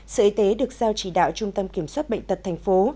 sở y tế được giao chỉ đạo trung tâm kiểm soát bệnh tật thành phố